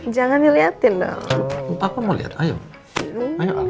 jangan diliatin dong